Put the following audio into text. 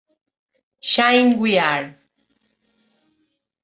"Shine We Are!"